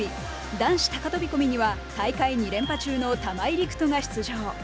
男子高飛び込みには大会２連覇中の玉井陸斗が出場。